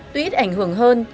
tuy ít ảnh hưởng hơn